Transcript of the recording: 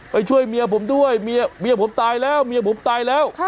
ช่วยเมียผมด้วยเมียผมตายแล้วเมียผมตายแล้ว